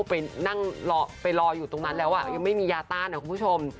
ไปนั่งไปรออยู่ตรงนั้นแล้วยังไม่มียาต้านนะคุณผู้ชม